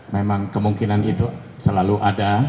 memang kemungkinan itu selalu ada